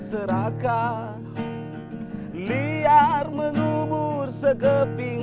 seorang santri mencari kemampuan